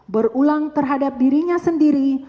berulang terhadap dirinya sendiri